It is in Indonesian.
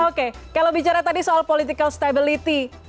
oke kalau bicara tadi soal political stability